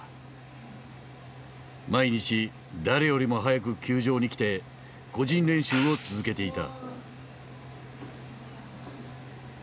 毎日誰よりも早く球場に来て個人練習を続けていた。